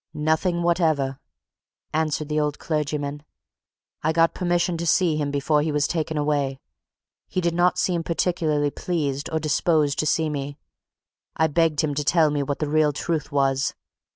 "Nothing whatever!" answered the old clergyman. "I got permission to see him before he was taken away. He did not seem particularly pleased or disposed to see me. I begged him to tell me what the real truth was.